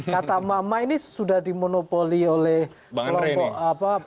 kata emak emak ini sudah dimonopoli oleh kelompok kelompok